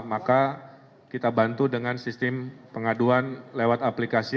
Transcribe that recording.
maka kita bantu dengan sistem pengaduan lewat aplikasi